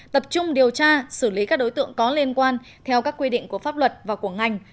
tập trung điều tra xử lý các đối tượng có liên quan theo các quy định của pháp luật và của ngành